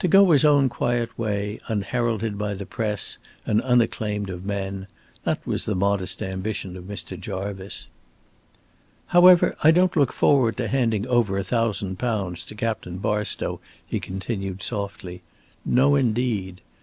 To go his own quiet way, unheralded by the press and unacclaimed of men that was the modest ambition of Mr. Jarvice. "However, I don't look forward to handing over a thousand pounds to Captain Barstow," he continued, softly. "No, indeed.